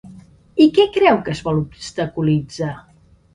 I què creu que es vol obstaculitzar?